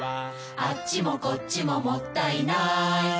「あっちもこっちももったいない」